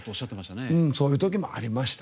そういうときもありました。